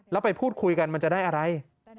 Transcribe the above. แล้วไปพูดคุยกันมันจะได้อะไร